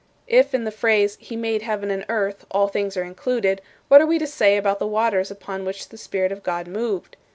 If in the phrase 'He made heaven and earth' all things are included, what are we to say about the waters upon which the Spirit of God moved?